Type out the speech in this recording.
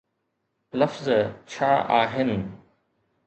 لفظ ڇا آهن؟